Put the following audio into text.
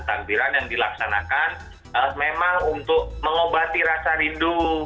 tampilan yang dilaksanakan memang untuk mengobati rasa rindu